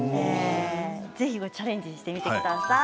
ぜひチャレンジしてください。